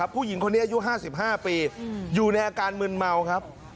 ผู้หญิงคนนี้อายุ๕๕ปีอยู่ในอาการมึนเมาครับ